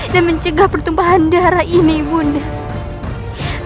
dan mencegah pertumpahan darah ini ibu ratu